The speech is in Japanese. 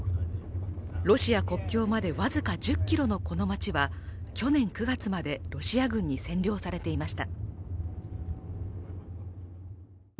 ロシア国境まで僅か１０ｋｍのこの町は去年９月まで、ロシア軍に占領されていました。